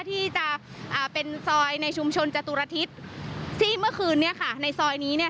ที่จะอ่าเป็นซอยในชุมชนจตุรทิศที่เมื่อคืนนี้ค่ะในซอยนี้เนี่ย